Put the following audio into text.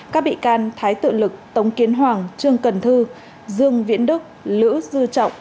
các bị can thái tự lực tống kiến hoàng trương cần thư dương viễn đức lữ dư trọng